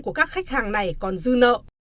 của các khách hàng này còn dư nợ